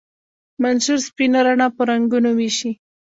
منشور سپینه رڼا په رنګونو ویشي.